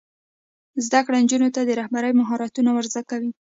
زده کړه نجونو ته د رهبرۍ مهارتونه ور زده کوي.